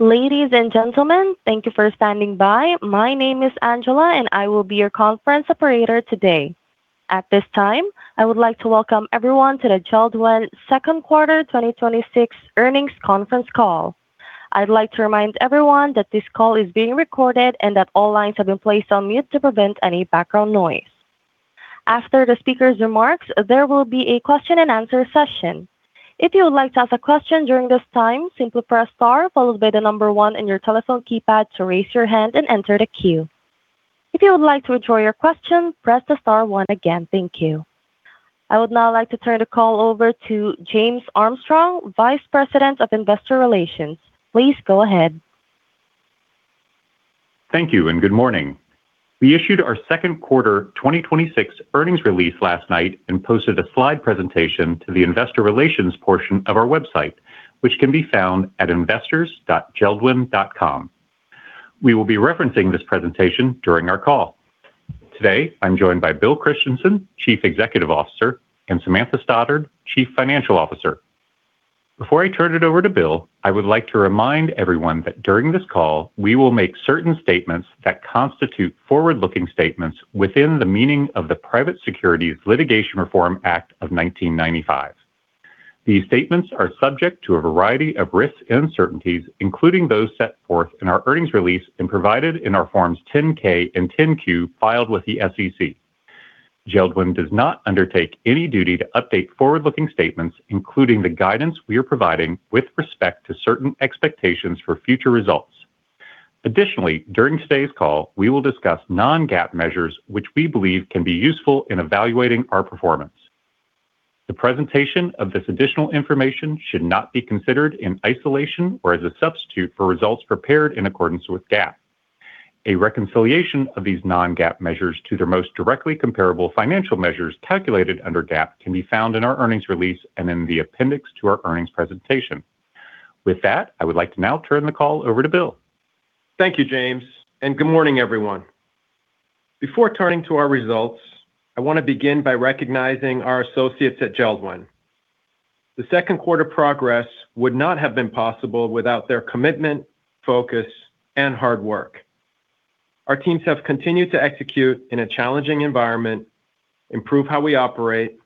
Ladies and gentlemen, thank you for standing by. My name is Angela and I will be your Conference Operator today. At this time, I would like to welcome everyone to the JELD‑WEN Second Quarter 2026 Earnings Conference Call. I would like to remind everyone that this call is being recorded and that all lines have been placed on mute to prevent any background noise. After the speaker's remarks, there will be a question and answer session. If you would like to ask a question during this time, simply press star followed by the number one on your telephone keypad to raise your hand and enter the queue. If you would like to withdraw your question, press the star one again. Thank you. I would now like to turn the call over to James Armstrong, Vice President of Investor Relations. Please go ahead. Thank you. Good morning. We issued our second quarter 2026 earnings release last night and posted a slide presentation to the investor relations portion of our website, which can be found at investors.jeldwen.com. We will be referencing this presentation during our call. Today, I am joined by Bill Christensen, Chief Executive Officer, and Samantha Stoddard, Chief Financial Officer. Before I turn it over to Bill, I would like to remind everyone that during this call, we will make certain statements that constitute forward-looking statements within the meaning of the Private Securities Litigation Reform Act of 1995. These statements are subject to a variety of risks and uncertainties, including those set forth in our earnings release and provided in our Forms 10-K and 10-Q filed with the SEC. JELD‑WEN does not undertake any duty to update forward-looking statements, including the guidance we are providing with respect to certain expectations for future results. Additionally, during today's call, we will discuss non-GAAP measures which we believe can be useful in evaluating our performance. The presentation of this additional information should not be considered in isolation or as a substitute for results prepared in accordance with GAAP. A reconciliation of these non-GAAP measures to their most directly comparable financial measures calculated under GAAP can be found in our earnings release and in the appendix to our earnings presentation. With that, I would like to now turn the call over to Bill. Thank you, James. Good morning, everyone. Before turning to our results, I want to begin by recognizing our associates at JELD‑WEN. The second quarter progress would not have been possible without their commitment, focus, and hard work. Our teams have continued to execute in a challenging environment, improve how we operate,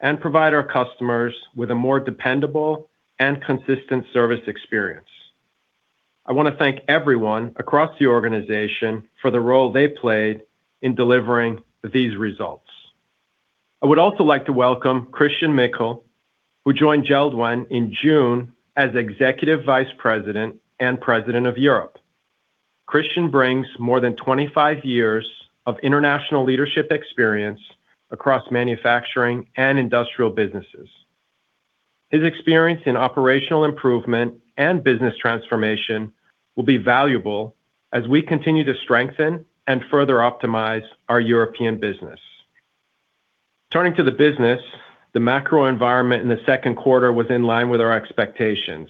and provide our customers with a more dependable and consistent service experience. I want to thank everyone across the organization for the role they played in delivering these results. I would also like to welcome Christian Michel, who joined JELD‑WEN in June as Executive Vice President and President of Europe. Christian brings more than 25 years of international leadership experience across manufacturing and industrial businesses. His experience in operational improvement and business transformation will be valuable as we continue to strengthen and further optimize our European business. Turning to the business, the macro environment in the second quarter was in line with our expectations.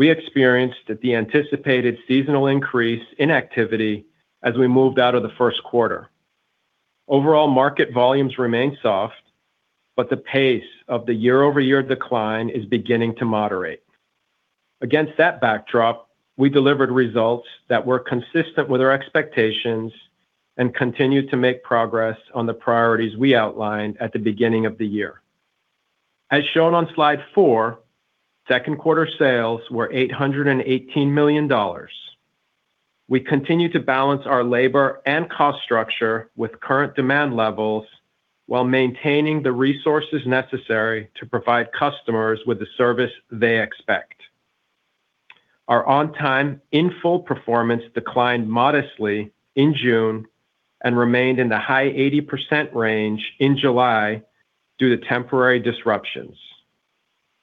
We experienced the anticipated seasonal increase in activity as we moved out of the first quarter. Overall market volumes remain soft, but the pace of the year-over-year decline is beginning to moderate. Against that backdrop, we delivered results that were consistent with our expectations and continued to make progress on the priorities we outlined at the beginning of the year. As shown on slide four, second quarter sales were $818 million. We continue to balance our labor and cost structure with current demand levels while maintaining the resources necessary to provide customers with the service they expect. Our on time in full performance declined modestly in June and remained in the high 80% range in July due to temporary disruptions.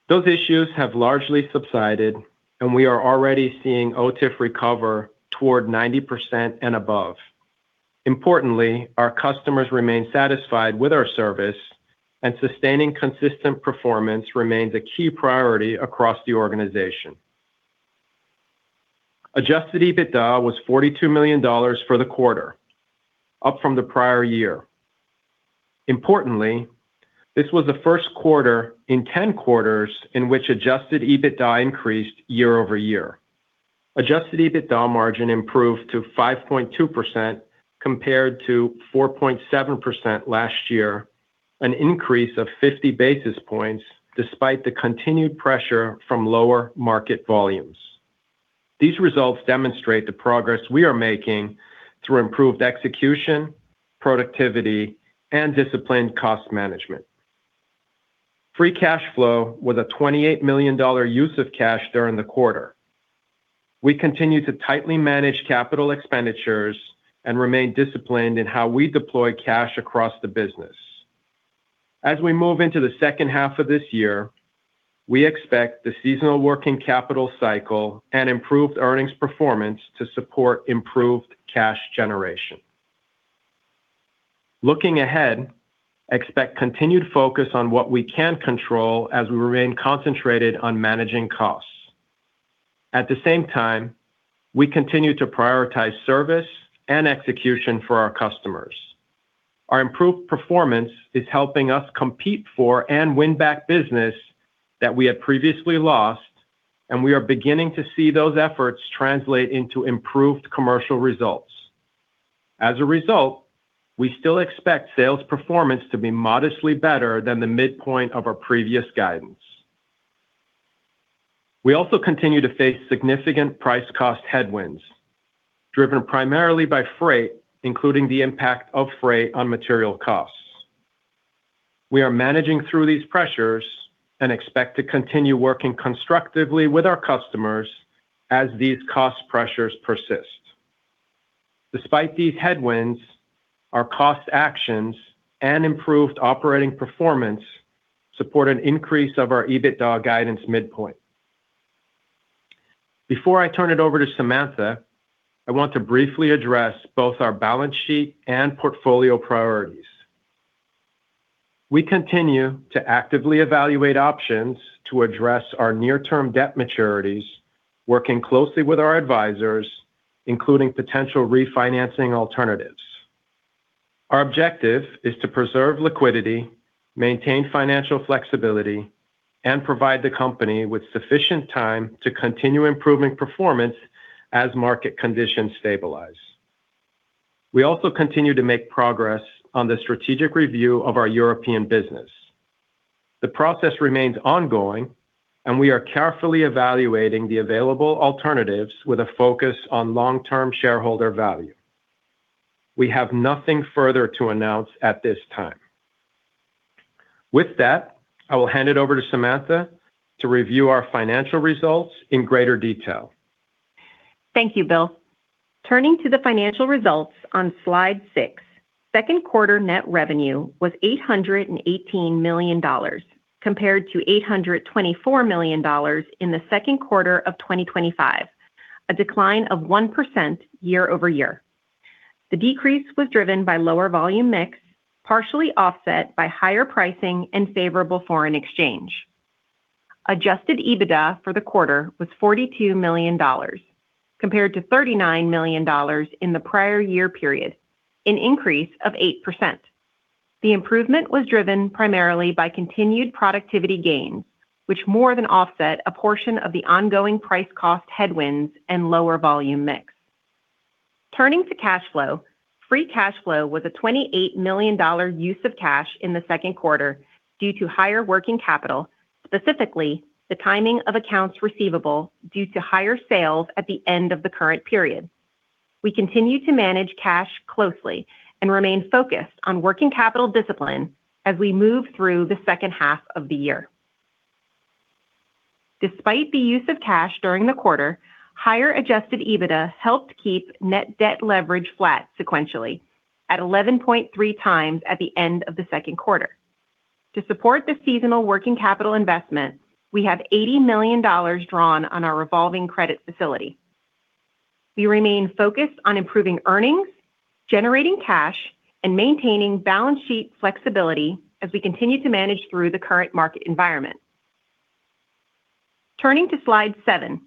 Those issues have largely subsided. We are already seeing OTIF recover toward 90% and above. Importantly, our customers remain satisfied with our service and sustaining consistent performance remains a key priority across the organization. Adjusted EBITDA was $42 million for the quarter, up from the prior year. Importantly, this was the first quarter in 10 quarters in which adjusted EBITDA increased year-over-year. Adjusted EBITDA margin improved to 5.2% compared to 4.7% last year, an increase of 50 basis points despite the continued pressure from lower market volumes. These results demonstrate the progress we are making through improved execution, productivity, and disciplined cost management. Free cash flow was a $28 million use of cash during the quarter. We continue to tightly manage capital expenditures and remain disciplined in how we deploy cash across the business. As we move into the second half of this year, we expect the seasonal working capital cycle and improved earnings performance to support improved cash generation. Looking ahead, expect continued focus on what we can control as we remain concentrated on managing costs. At the same time, we continue to prioritize service and execution for our customers. Our improved performance is helping us compete for and win back business that we had previously lost. We are beginning to see those efforts translate into improved commercial results. As a result, we still expect sales performance to be modestly better than the midpoint of our previous guidance. We also continue to face significant price cost headwinds, driven primarily by freight, including the impact of freight on material costs. We are managing through these pressures and expect to continue working constructively with our customers as these cost pressures persist. Despite these headwinds, our cost actions and improved operating performance support an increase of our EBITDA guidance midpoint. Before I turn it over to Samantha, I want to briefly address both our balance sheet and portfolio priorities. We continue to actively evaluate options to address our near-term debt maturities, working closely with our advisors, including potential refinancing alternatives. Our objective is to preserve liquidity, maintain financial flexibility, and provide the company with sufficient time to continue improving performance as market conditions stabilize. We also continue to make progress on the strategic review of our European business. The process remains ongoing. We are carefully evaluating the available alternatives with a focus on long-term shareholder value. We have nothing further to announce at this time. With that, I will hand it over to Samantha to review our financial results in greater detail. Thank you, Bill. Turning to the financial results on slide six, second quarter net revenue was $818 million, compared to $824 million in the second quarter of 2025, a decline of 1% year-over-year. The decrease was driven by lower volume mix, partially offset by higher pricing and favorable foreign exchange. Adjusted EBITDA for the quarter was $42 million, compared to $39 million in the prior year period, an increase of 8%. The improvement was driven primarily by continued productivity gains, which more than offset a portion of the ongoing price cost headwinds and lower volume mix. Turning to cash flow, free cash flow was a $28 million use of cash in the second quarter due to higher working capital, specifically the timing of accounts receivable due to higher sales at the end of the current period. We continue to manage cash closely and remain focused on working capital discipline as we move through the second half of the year. Despite the use of cash during the quarter, higher adjusted EBITDA helped keep net debt leverage flat sequentially at 11.3x at the end of the second quarter. To support the seasonal working capital investment, we have $80 million drawn on our revolving credit facility. We remain focused on improving earnings, generating cash, and maintaining balance sheet flexibility as we continue to manage through the current market environment. Turning to slide seven,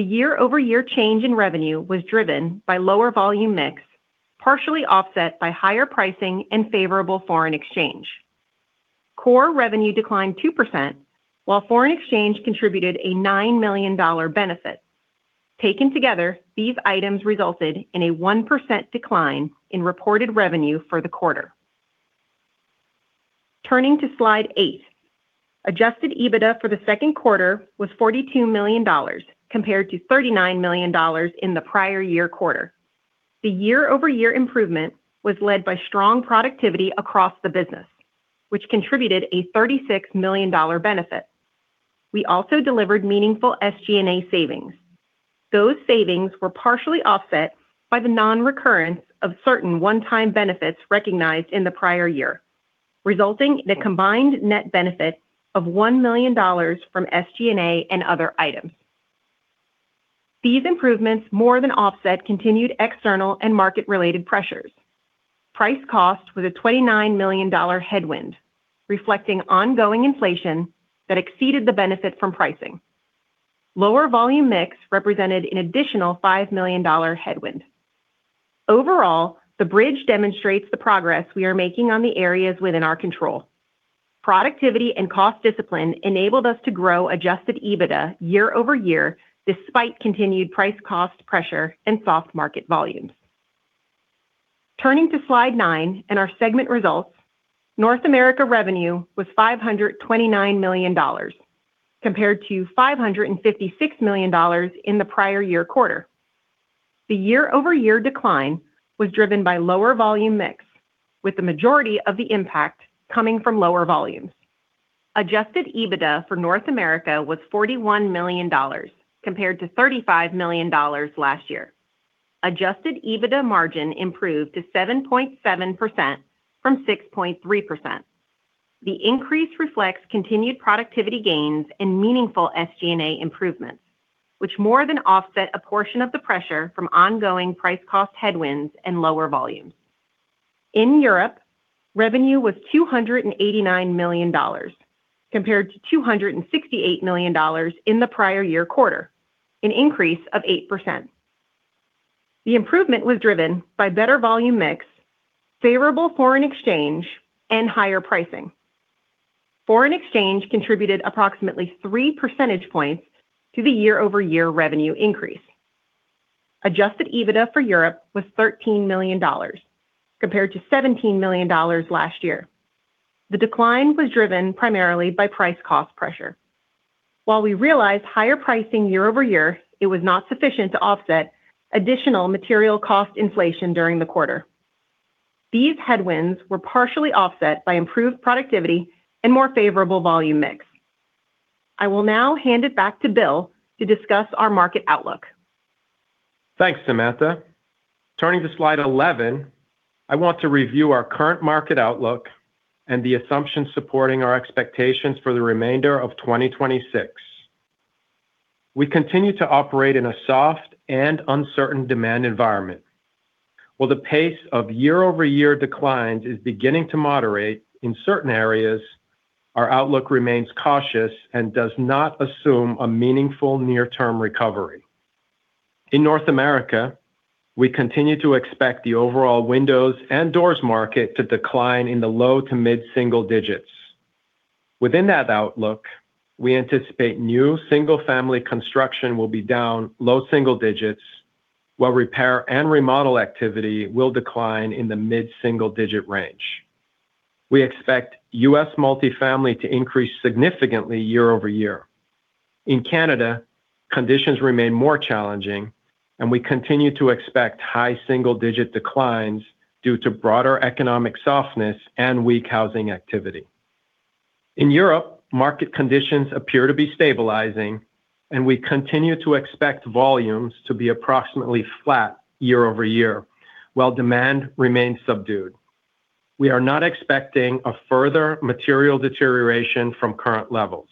the year-over-year change in revenue was driven by lower volume mix, partially offset by higher pricing and favorable foreign exchange. Core revenue declined 2%, while foreign exchange contributed a $9 million benefit. Taken together, these items resulted in a 1% decline in reported revenue for the quarter. Turning to slide eight, adjusted EBITDA for the second quarter was $42 million, compared to $39 million in the prior year quarter. The year-over-year improvement was led by strong productivity across the business, which contributed a $36 million benefit. We also delivered meaningful SG&A savings. Those savings were partially offset by the non-recurrence of certain one-time benefits recognized in the prior year, resulting in a combined net benefit of $1 million from SG&A and other items. These improvements more than offset continued external and market-related pressures. Price cost was a $29 million headwind, reflecting ongoing inflation that exceeded the benefit from pricing. Lower volume mix represented an additional $5 million headwind. Overall, the bridge demonstrates the progress we are making on the areas within our control. Productivity and cost discipline enabled us to grow adjusted EBITDA year-over-year, despite continued price cost pressure and soft market volumes. Turning to slide nine and our segment results, North America revenue was $529 million compared to $556 million in the prior year quarter. The year-over-year decline was driven by lower volume mix, with the majority of the impact coming from lower volumes. Adjusted EBITDA for North America was $41 million, compared to $35 million last year. Adjusted EBITDA margin improved to 7.7% from 6.3%. The increase reflects continued productivity gains and meaningful SG&A improvements, which more than offset a portion of the pressure from ongoing price cost headwinds and lower volumes. In Europe, revenue was $289 million compared to $268 million in the prior year quarter, an increase of 8%. The improvement was driven by better volume mix, favorable foreign exchange, and higher pricing. Foreign exchange contributed approximately three percentage points to the year-over-year revenue increase. Adjusted EBITDA for Europe was $13 million, compared to $17 million last year. The decline was driven primarily by price cost pressure. While we realized higher pricing year-over-year, it was not sufficient to offset additional material cost inflation during the quarter. These headwinds were partially offset by improved productivity and more favorable volume mix. I will now hand it back to Bill to discuss our market outlook. Thanks, Samantha. Turning to slide 11, I want to review our current market outlook and the assumptions supporting our expectations for the remainder of 2026. We continue to operate in a soft and uncertain demand environment. While the pace of year-over-year declines is beginning to moderate in certain areas, our outlook remains cautious and does not assume a meaningful near-term recovery. In North America, we continue to expect the overall windows and doors market to decline in the low to mid-single digits. Within that outlook, we anticipate new single-family construction will be down low single digits, while repair and remodel activity will decline in the mid-single-digit range. We expect U.S. multifamily to increase significantly year-over-year. In Canada, conditions remain more challenging, and we continue to expect high single-digit declines due to broader economic softness and weak housing activity. In Europe, market conditions appear to be stabilizing, and we continue to expect volumes to be approximately flat year-over-year, while demand remains subdued. We are not expecting a further material deterioration from current levels.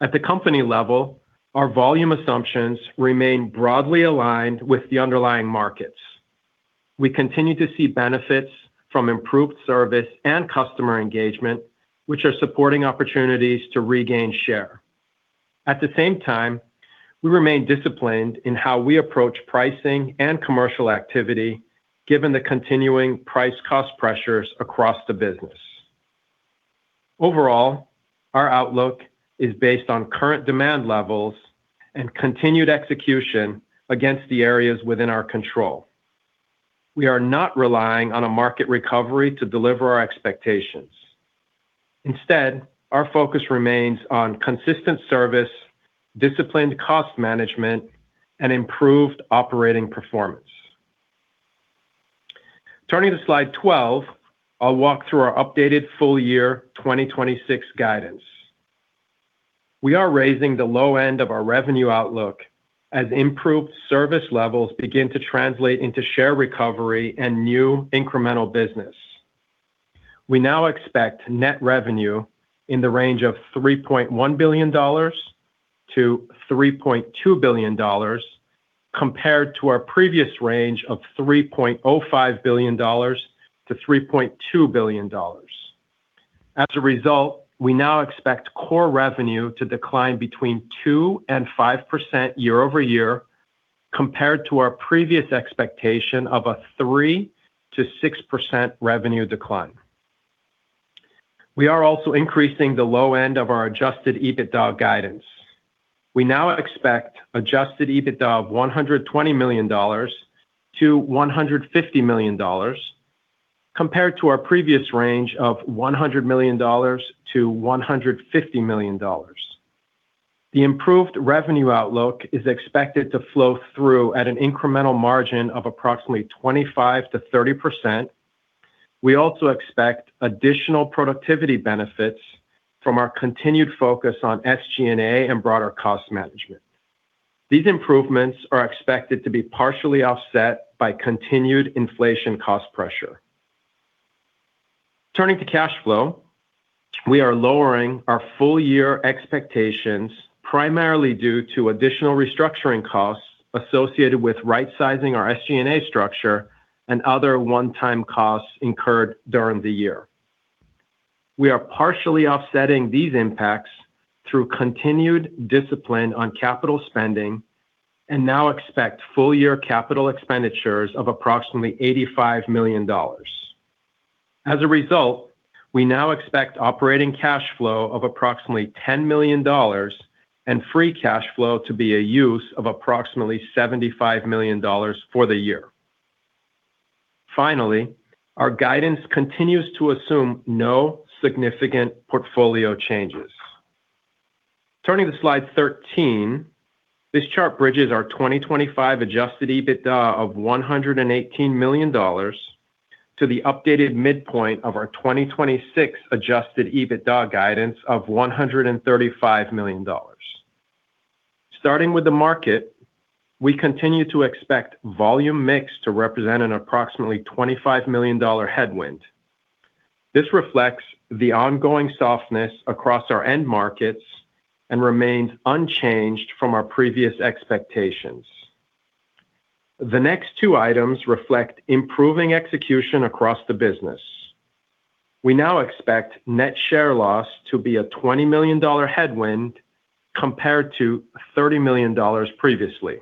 At the company level, our volume assumptions remain broadly aligned with the underlying markets. We continue to see benefits from improved service and customer engagement, which are supporting opportunities to regain share. At the same time, we remain disciplined in how we approach pricing and commercial activity, given the continuing price cost pressures across the business. Overall, our outlook is based on current demand levels and continued execution against the areas within our control. We are not relying on a market recovery to deliver our expectations. Instead, our focus remains on consistent service, disciplined cost management, and improved operating performance. Turning to slide 12, I'll walk through our updated full-year 2026 guidance. We are raising the low end of our revenue outlook as improved service levels begin to translate into share recovery and new incremental business. We now expect net revenue in the range of $3.1 billion-$3.2 billion, compared to our previous range of $3.05 billion-$3.2 billion. As a result, we now expect core revenue to decline between 2%-5% year-over-year, compared to our previous expectation of a 3%-6% revenue decline. We are also increasing the low end of our adjusted EBITDA guidance. We now expect adjusted EBITDA of $120 million-$150 million, compared to our previous range of $100 million-$150 million. The improved revenue outlook is expected to flow through at an incremental margin of approximately 25%-30%. We also expect additional productivity benefits from our continued focus on SG&A and broader cost management. These improvements are expected to be partially offset by continued inflation cost pressure. Turning to cash flow, we are lowering our full-year expectations primarily due to additional restructuring costs associated with rightsizing our SG&A structure and other one-time costs incurred during the year. We are partially offsetting these impacts through continued discipline on capital spending and now expect full-year capital expenditures of approximately $85 million. As a result, we now expect operating cash flow of approximately $10 million and free cash flow to be a use of approximately $75 million for the year. Finally, our guidance continues to assume no significant portfolio changes. Turning to slide 13, this chart bridges our 2025 adjusted EBITDA of $118 million to the updated midpoint of our 2026 adjusted EBITDA guidance of $135 million. Starting with the market, we continue to expect volume mix to represent an approximately $25 million headwind. This reflects the ongoing softness across our end markets and remains unchanged from our previous expectations. The next two items reflect improving execution across the business. We now expect net share loss to be a $20 million headwind compared to $30 million previously.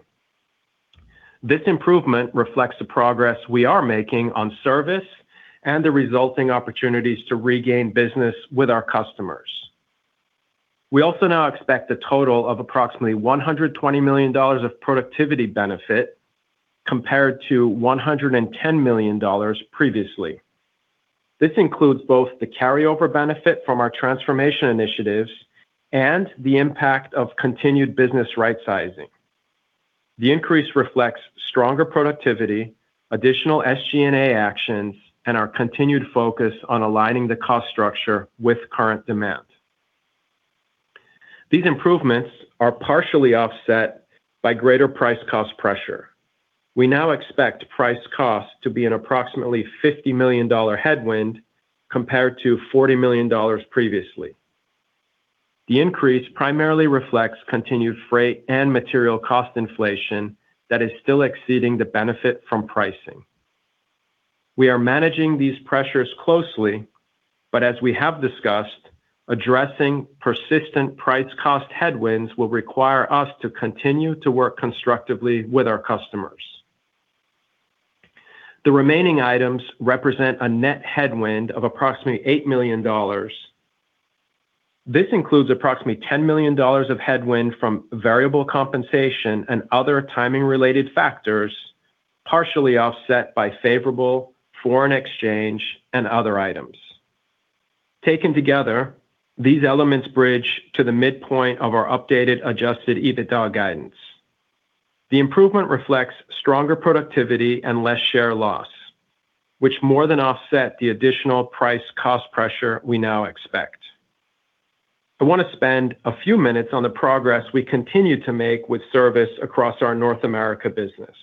This improvement reflects the progress we are making on service and the resulting opportunities to regain business with our customers. We also now expect a total of approximately $120 million of productivity benefit, compared to $110 million previously. This includes both the carry-over benefit from our transformation initiatives and the impact of continued business rightsizing. The increase reflects stronger productivity, additional SG&A actions, and our continued focus on aligning the cost structure with current demand. These improvements are partially offset by greater price cost pressure. We now expect price cost to be an approximately $50 million headwind, compared to $40 million previously. The increase primarily reflects continued freight and material cost inflation that is still exceeding the benefit from pricing. We are managing these pressures closely, but as we have discussed, addressing persistent price cost headwinds will require us to continue to work constructively with our customers. The remaining items represent a net headwind of approximately $8 million. This includes approximately $10 million of headwind from variable compensation and other timing-related factors, partially offset by favorable foreign exchange and other items. Taken together, these elements bridge to the midpoint of our updated adjusted EBITDA guidance. The improvement reflects stronger productivity and less share loss, which more than offset the additional price cost pressure we now expect. I want to spend a few minutes on the progress we continue to make with service across our North America business.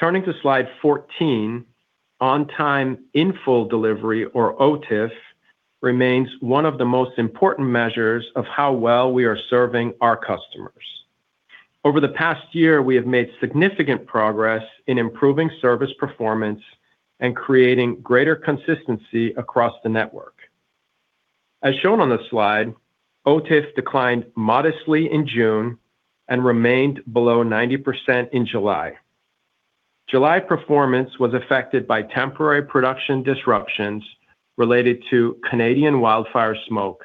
Turning to slide 14, On Time In Full delivery, or OTIF, remains one of the most important measures of how well we are serving our customers. Over the past year, we have made significant progress in improving service performance and creating greater consistency across the network. As shown on the slide, OTIF declined modestly in June and remained below 90% in July. July performance was affected by temporary production disruptions related to Canadian wildfire smoke,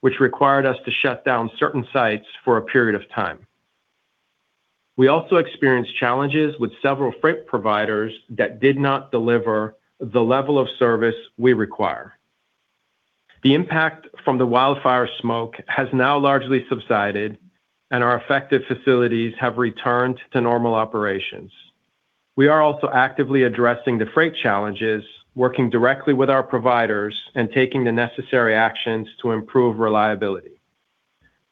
which required us to shut down certain sites for a period of time. We also experienced challenges with several freight providers that did not deliver the level of service we require. The impact from the wildfire smoke has now largely subsided, and our affected facilities have returned to normal operations. We are also actively addressing the freight challenges, working directly with our providers and taking the necessary actions to improve reliability.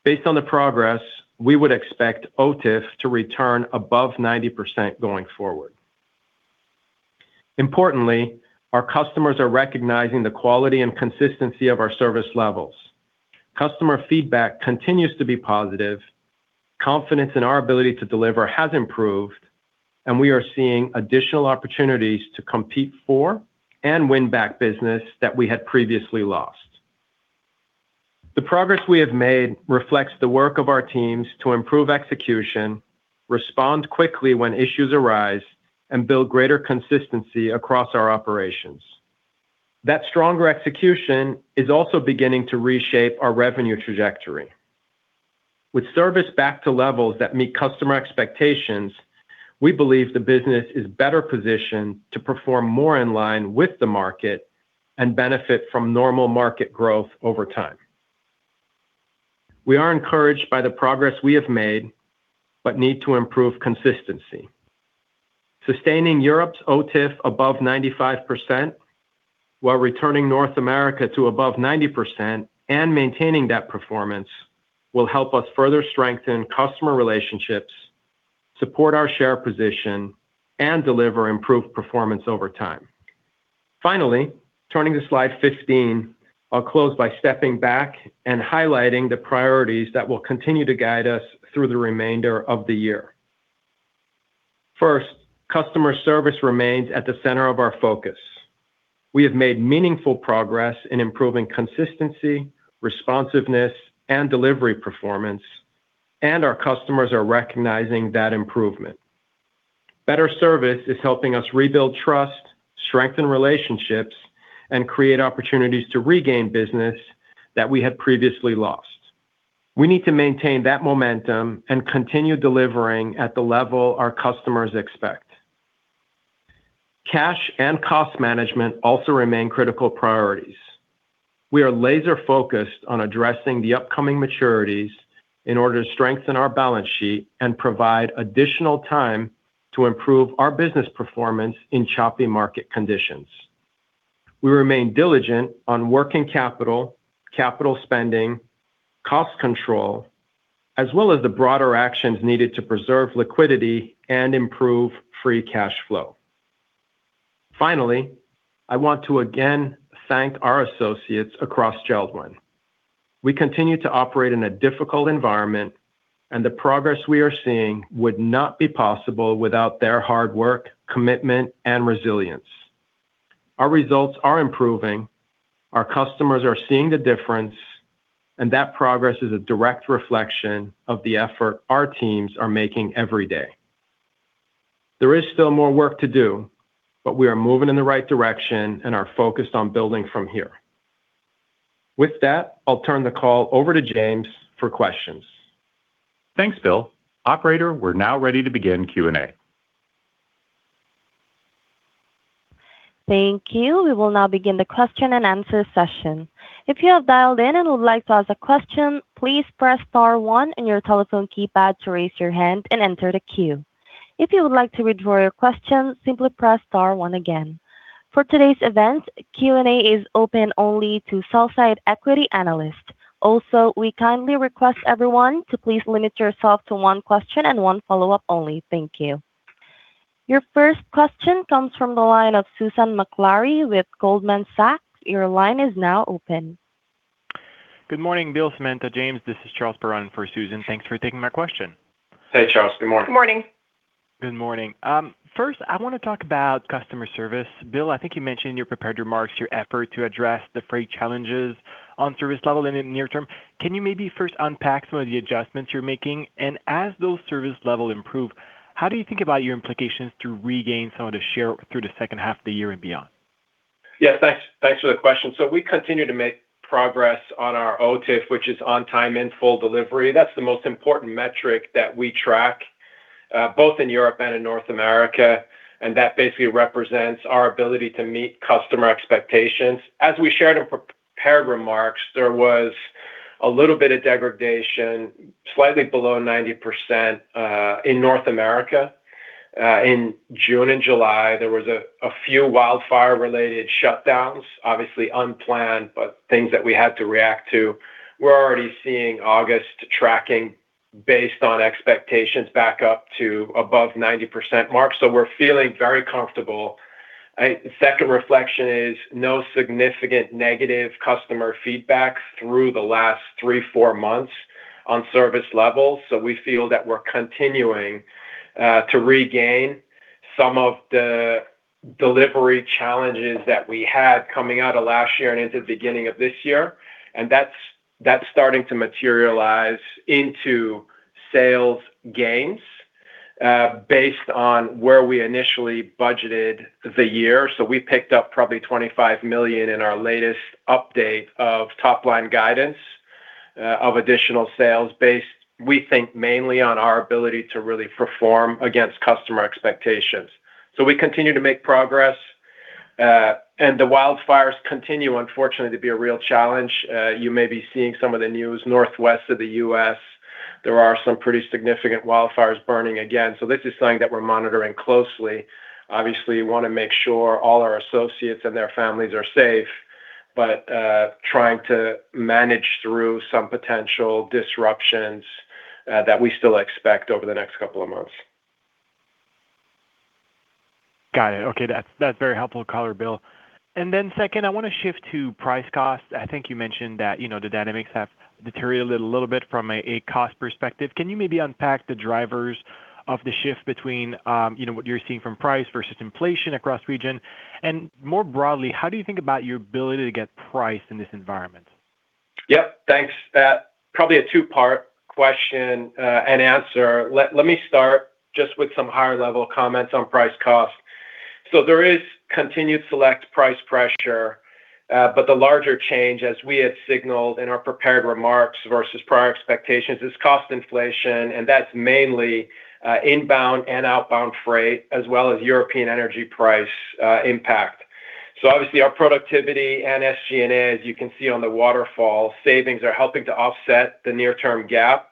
Based on the progress, we would expect OTIF to return above 90% going forward. Importantly, our customers are recognizing the quality and consistency of our service levels. Customer feedback continues to be positive, confidence in our ability to deliver has improved, and we are seeing additional opportunities to compete for and win back business that we had previously lost. The progress we have made reflects the work of our teams to improve execution, respond quickly when issues arise, and build greater consistency across our operations. That stronger execution is also beginning to reshape our revenue trajectory. With service back to levels that meet customer expectations, we believe the business is better positioned to perform more in line with the market and benefit from normal market growth over time. We are encouraged by the progress we have made, but need to improve consistency. Sustaining Europe's OTIF above 95% while returning North America to above 90% and maintaining that performance will help us further strengthen customer relationships, support our share position, and deliver improved performance over time. Finally, turning to slide 15, I'll close by stepping back and highlighting the priorities that will continue to guide us through the remainder of the year. First, customer service remains at the center of our focus. We have made meaningful progress in improving consistency, responsiveness, and delivery performance, our customers are recognizing that improvement. Better service is helping us rebuild trust, strengthen relationships, and create opportunities to regain business that we had previously lost. We need to maintain that momentum and continue delivering at the level our customers expect. Cash and cost management also remain critical priorities. We are laser-focused on addressing the upcoming maturities in order to strengthen our balance sheet and provide additional time to improve our business performance in choppy market conditions. We remain diligent on working capital spending, cost control, as well as the broader actions needed to preserve liquidity and improve free cash flow. Finally, I want to again thank our associates across JELD‑WEN. We continue to operate in a difficult environment, the progress we are seeing would not be possible without their hard work, commitment, and resilience. Our results are improving, our customers are seeing the difference, that progress is a direct reflection of the effort our teams are making every day. There is still more work to do, we are moving in the right direction and are focused on building from here. With that, I'll turn the call over to James for questions. Thanks, Bill. Operator, we're now ready to begin Q&A. Thank you. We will now begin the question and answer session. If you have dialed in and would like to ask a question, please press star one on your telephone keypad to raise your hand and enter the queue. If you would like to withdraw your question, simply press star one again. For today's event, Q&A is open only to sell-side equity analysts. Also, we kindly request everyone to please limit yourself to one question and one follow-up only. Thank you. Your first question comes from the line of Susan Maklari with Goldman Sachs. Your line is now open. Good morning, Bill, Samantha, James. This is Charles Perron-Piche for Susan. Thanks for taking my question. Hey, Charles. Good morning. Good morning. Good morning. First, I want to talk about customer service. Bill, I think you mentioned in your prepared remarks your effort to address the freight challenges on service level in the near term. Can you maybe first unpack some of the adjustments you're making? As those service level improve, how do you think about your implications to regain some of the share through the second half of the year and beyond? Yeah, thanks for the question. We continue to make progress on our OTIF, which is On Time In Full delivery. That's the most important metric that we track, both in Europe and in North America, and that basically represents our ability to meet customer expectations. As we shared in prepared remarks, there was a little bit of degradation, slightly below 90% in North America. In June and July, there was a few wildfire-related shutdowns, obviously unplanned, but things that we had to react to. We're already seeing August tracking based on expectations back up to above 90% mark. We're feeling very comfortable. Second reflection is no significant negative customer feedback through the last three, four months on service levels. We feel that we're continuing to regain some of the delivery challenges that we had coming out of last year and into the beginning of this year. That's starting to materialize into sales gains based on where we initially budgeted the year. We picked up probably $25 million in our latest update of top-line guidance of additional sales based, we think, mainly on our ability to really perform against customer expectations. We continue to make progress. The wildfires continue, unfortunately, to be a real challenge. You may be seeing some of the news northwest of the U.S., there are some pretty significant wildfires burning again. This is something that we're monitoring closely. Obviously, we want to make sure all our associates and their families are safe, but trying to manage through some potential disruptions that we still expect over the next couple of months. Got it. Okay. That's very helpful color, Bill. Then second, I want to shift to price cost. I think you mentioned that the dynamics have deteriorated a little bit from a cost perspective. Can you maybe unpack the drivers of the shift between what you're seeing from price versus inflation across region? More broadly, how do you think about your ability to get price in this environment? Yep, thanks. Probably a two-part question and answer. Let me start just with some higher-level comments on price cost. There is continued select price pressure. The larger change, as we had signaled in our prepared remarks versus prior expectations, is cost inflation, and that's mainly inbound and outbound freight, as well as European energy price impact. Obviously our productivity and SG&A, as you can see on the waterfall, savings are helping to offset the near-term gap.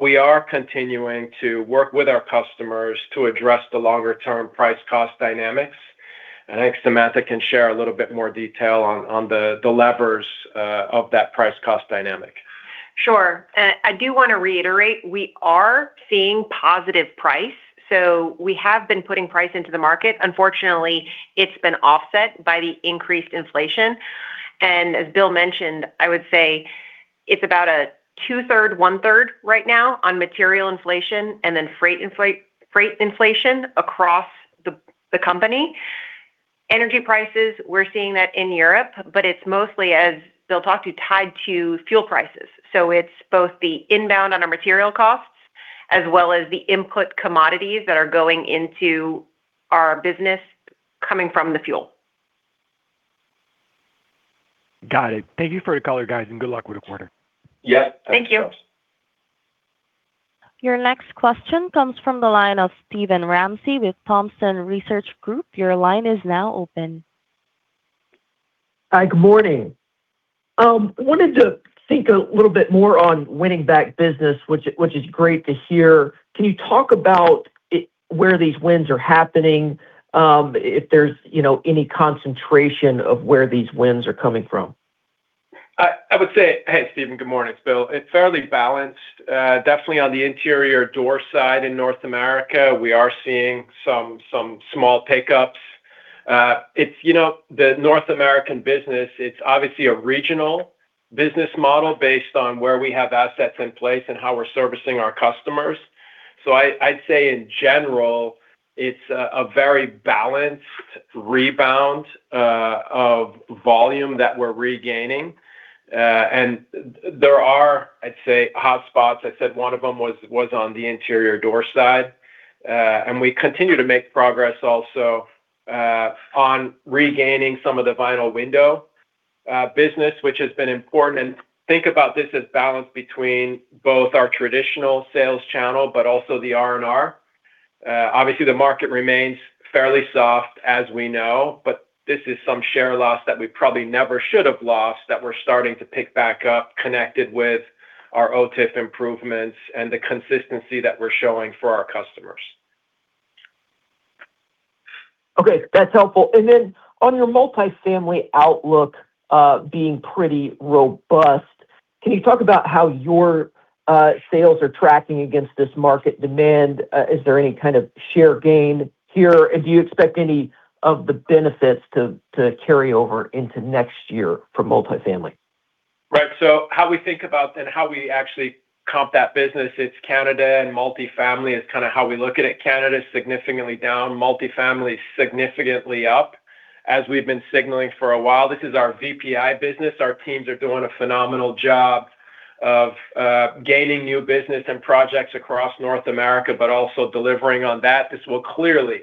We are continuing to work with our customers to address the longer-term price cost dynamics. I think Samantha can share a little bit more detail on the levers of that price cost dynamic. Sure. I do want to reiterate, we are seeing positive price, we have been putting price into the market. Unfortunately, it's been offset by the increased inflation. As Bill mentioned, I would say it's about a two-third, one-third right now on material inflation and then freight inflation across the company. Energy prices, we're seeing that in Europe, it's mostly, as Bill talked to, tied to fuel prices. It's both the inbound on our material costs as well as the input commodities that are going into our business coming from the fuel. Got it. Thank you for the color, guys, and good luck with the quarter. Yeah. Thanks, Charles. Thank you. Your next question comes from the line of Steven Ramsey with Thompson Research Group. Your line is now open. Hi, good morning. I wanted to think a little bit more on winning back business, which is great to hear. Can you talk about where these wins are happening? If there's any concentration of where these wins are coming from? I would say, Hey, Steven, good morning. It's Bill. It's fairly balanced. Definitely on the interior door side in North America, we are seeing some small pickups. The North American business, it's obviously a regional business model based on where we have assets in place and how we're servicing our customers. I'd say in general, it's a very balanced rebound of volume that we're regaining. There are, I'd say, hotspots. I said one of them was on the interior door side. We continue to make progress also on regaining some of the vinyl window business, which has been important. Think about this as balance between both our traditional sales channel, but also the R&R. Obviously, the market remains fairly soft, as we know. This is some share loss that we probably never should have lost that we're starting to pick back up, connected with our OTIF improvements and the consistency that we're showing for our customers. Okay. That's helpful. Then on your multifamily outlook being pretty robust, can you talk about how your sales are tracking against this market demand? Is there any kind of share gain here? Do you expect any of the benefits to carry over into next year for multifamily? Right. How we think about and how we actually comp that business, it's Canada and multifamily is kind of how we look at it. Canada is significantly down, multifamily is significantly up. As we've been signaling for a while, this is our VPI business. Our teams are doing a phenomenal job of gaining new business and projects across North America, but also delivering on that. This will clearly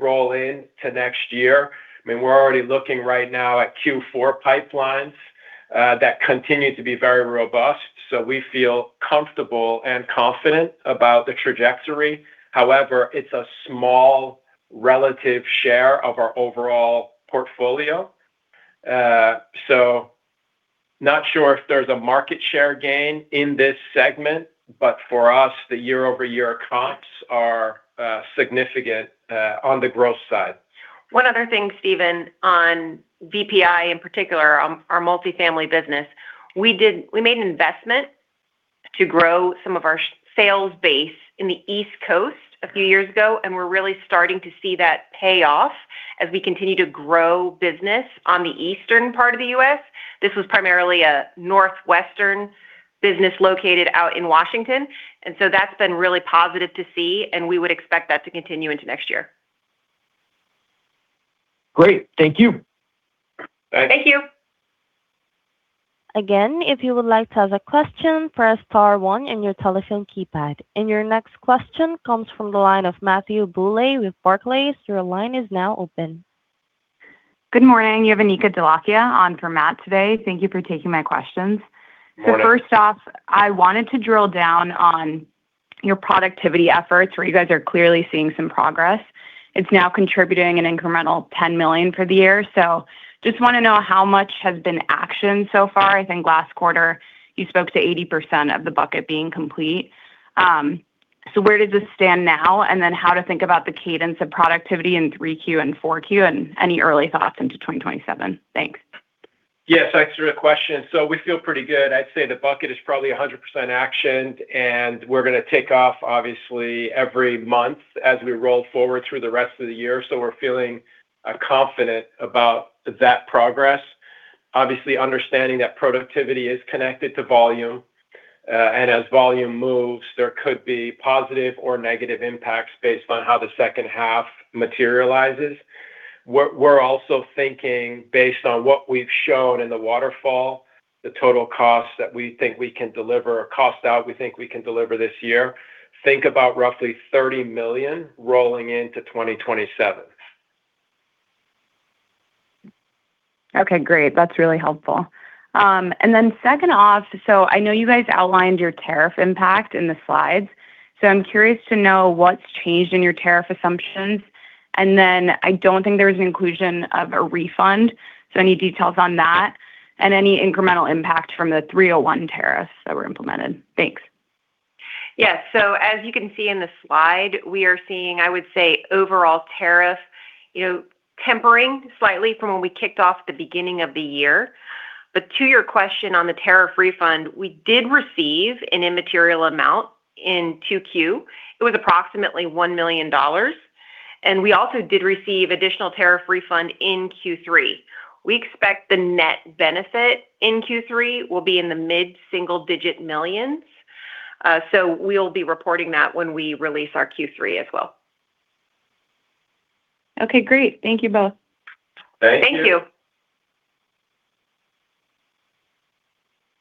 roll into next year. We're already looking right now at Q4 pipelines that continue to be very robust, we feel comfortable and confident about the trajectory. However, it's a small relative share of our overall portfolio. Not sure if there's a market share gain in this segment, but for us, the year-over-year comps are significant on the growth side. One other thing, Steven, on VPI in particular, our multifamily business. We made an investment to grow some of our sales base in the East Coast a few years ago, we're really starting to see that pay off as we continue to grow business on the eastern part of the U.S. This was primarily a northwestern business located out in Washington. That's been really positive to see, and we would expect that to continue into next year. Great. Thank you. Thanks. Thank you. Again, if you would like to ask a question, press star one on your telephone keypad. Your next question comes from the line of Matthew Bouley with Barclays. Your line is now open. Good morning. You have Anika Dholakia on for Matt today. Thank you for taking my questions. Good morning. First off, I wanted to drill down on your productivity efforts where you guys are clearly seeing some progress. It's now contributing an incremental $10 million for the year. Just want to know how much has been actioned so far. I think last quarter you spoke to 80% of the bucket being complete. Where does this stand now, and then how to think about the cadence of productivity in 3Q and 4Q, and any early thoughts into 2027? Thanks. Yes, thanks for the question. We feel pretty good. I'd say the bucket is probably 100% actioned, and we're going to take off obviously every month as we roll forward through the rest of the year. We're feeling confident about that progress. Obviously, understanding that productivity is connected to volume. As volume moves, there could be positive or negative impacts based on how the second half materializes. We're also thinking based on what we've shown in the waterfall, the total cost that we think we can deliver or cost out, we think we can deliver this year. Think about roughly $30 million rolling into 2027. Okay, great. That's really helpful. Second off, I know you guys outlined your tariff impact in the slides. I'm curious to know what's changed in your tariff assumptions. I don't think there was an inclusion of a refund, so any details on that, and any incremental impact from the 301 tariffs that were implemented. Thanks. Yes. As you can see in the slide, we are seeing, I would say, overall tariff tempering slightly from when we kicked off the beginning of the year. To your question on the tariff refund, we did receive an immaterial amount in 2Q. It was approximately $1 million. We also did receive additional tariff refund in Q3. We expect the net benefit in Q3 will be in the mid-single digit millions. We'll be reporting that when we release our Q3 as well. Okay, great. Thank you both. Thank you. Thank you.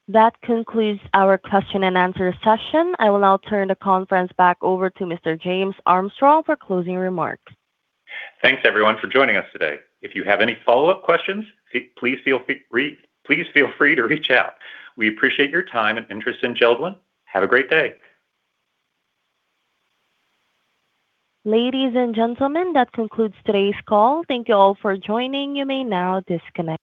That concludes our question and answer session. I will now turn the conference back over to Mr. James Armstrong for closing remarks. Thanks, everyone, for joining us today. If you have any follow-up questions, please feel free to reach out. We appreciate your time and interest in JELD‑WEN. Have a great day. Ladies and gentlemen, that concludes today's call. Thank you all for joining. You may now disconnect.